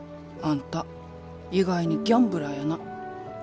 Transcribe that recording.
あんた意外にギャンブラーやな。